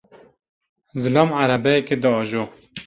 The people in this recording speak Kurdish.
Zilam erebeyekê diajo.